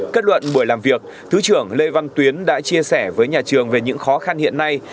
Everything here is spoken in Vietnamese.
kết luận buổi làm việc thứ trưởng lê văn tuyến đã chia sẻ với nhà trường về những khó khăn hiện nay